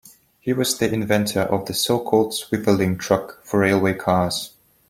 He was the inventor of the so-called "swiveling truck" for railway cars.